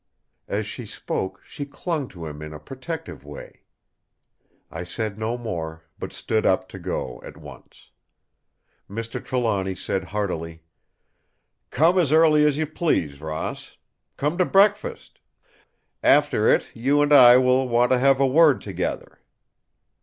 As she spoke she clung to him in a protective way. I said no more, but stood up to go at once. Mr. Trelawny said heartily: "Come as early as you please, Ross. Come to breakfast. After it, you and I will want to have a word together."